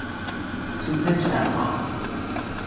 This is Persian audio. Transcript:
توپ چرخان